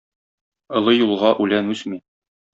Олы юлга үлән үсми.